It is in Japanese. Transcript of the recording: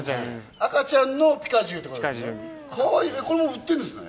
赤ちゃんのピカ銃、かわいいね。